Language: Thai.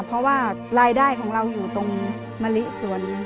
เพราะว่ารายได้ของเราอยู่ตรงมะลิส่วนหนึ่ง